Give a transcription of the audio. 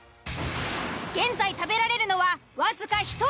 現在食べられるのは僅か１人。